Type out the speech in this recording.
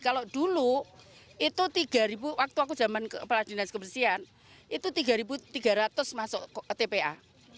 kalau dulu waktu aku zaman kepala dinas kebersihan itu tiga ribu tiga ratus masuk ke tpa